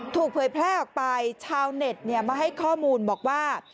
เผยแพร่ออกไปชาวเน็ตมาให้ข้อมูลบอกว่า